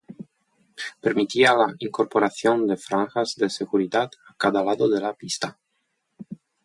Permitía la incorporación de franjas de seguridad a cada lado de la pista.